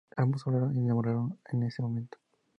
Ambos hablaron y se enamoraron en este momento.